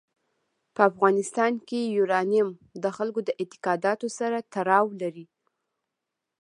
په افغانستان کې یورانیم د خلکو د اعتقاداتو سره تړاو لري.